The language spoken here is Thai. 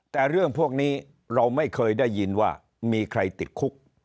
แต่เรื่องพวกนี้เราไม่เคยได้ยินว่ามีใครติดคุก